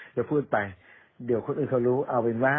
จะพูดไปเดี๋ยวคนอื่นเขารู้เอาเป็นว่า